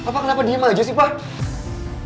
pak kenapa diem aja sih pak